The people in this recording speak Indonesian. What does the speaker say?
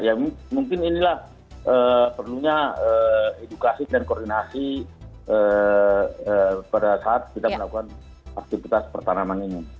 ya mungkin inilah perlunya edukasi dan koordinasi pada saat kita melakukan aktivitas pertanaman ini